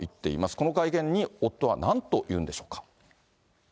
この会見に夫はなんと言うんでしょうか。